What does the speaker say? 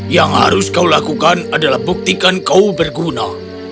yang harus kau lakukan adalah buktikan kau berguna